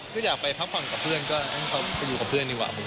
ชุดว่ายน้ำเซ็กซี่มากเป็นยังไงบ้าง